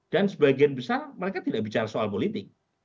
dan sebagian besar mereka tidak bicara soal politik